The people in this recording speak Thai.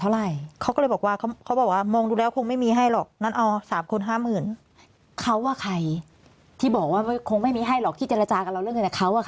แล้วก็แม่โดนฮิ้วถือของกาง